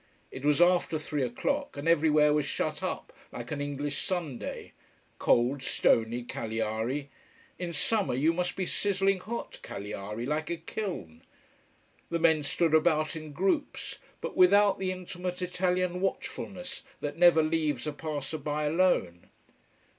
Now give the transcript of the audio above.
It was after three o'clock and everywhere was shut up like an English Sunday. Cold, stony Cagliari: in summer you must be sizzling hot, Cagliari, like a kiln. The men stood about in groups, but without the intimate Italian watchfulness that never leaves a passer by alone.